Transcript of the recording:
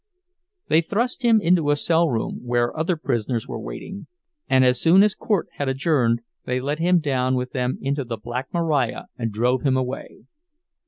They thrust him into a cell room, where other prisoners were waiting; and as soon as court had adjourned they led him down with them into the "Black Maria," and drove him away.